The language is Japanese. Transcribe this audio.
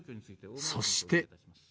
そして。